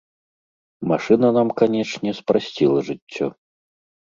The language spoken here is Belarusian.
Машына нам, канечне, спрасціла жыццё.